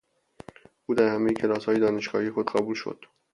او در همهی کلاسهای دانشگاهی خود قبول شد.